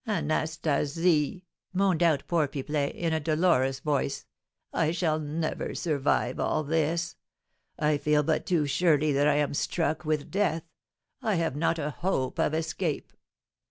"Anastasie," moaned out poor Pipelet, in a dolorous voice, "I shall never survive all this! I feel but too surely that I am struck with death, I have not a hope of escape!